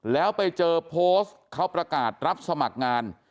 แล้วไปเจอโพสต์เขาประกาศรับสมัครงาน